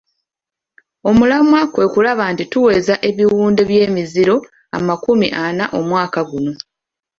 Omulamwa kwe kulaba nti tuweza ebiwunde by'emiziro amakumi ana omwaka guno.